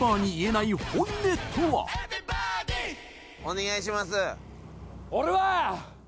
お願いします。